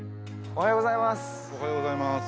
おはようございます。